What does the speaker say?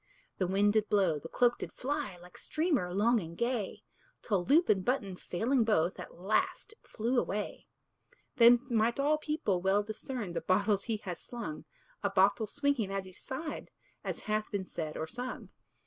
The wind did blow, the cloak did fly, Like streamer long and gay, Till loop and button failing both, At last it flew away. Then might all people well discern The bottles he has slung; A bottle swinging at each side, As hath been said or sung.